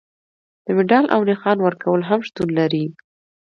د مډال او نښان ورکول هم شتون لري.